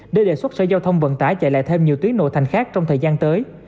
để đề xuất sở giao thông vận tải chạy lại thêm nhiều tuyến nội thành khác trong thời gian tới